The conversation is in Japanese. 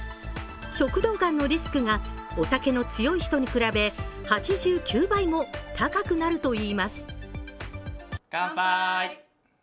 食道がんのリスクがお酒の強い人に比べ８９倍も高くなるといわれています。